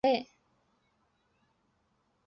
猛隼为隼科隼属的鸟类。